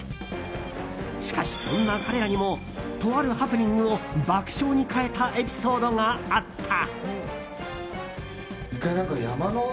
しかし、そんな彼らにもとあるハプニングを爆笑に変えたエピソードがあった。